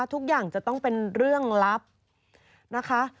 ทุกอย่างจะต้องเป็นเรื่องลับนะคะ